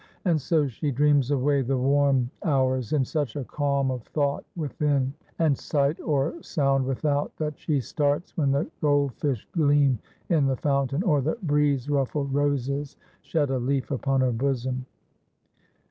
And so she dreams away the warm hours in such a calm of thought within, and sight or sound without, that she starts when the gold fish gleam in the fountain, or the breeze ruffled roses shed a leaf upon her bosom."